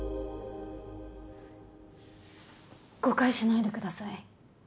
誤解しないでください。